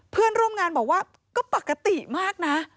เพื่อนร่วมงานบอกว่าก็ปกติมากนะ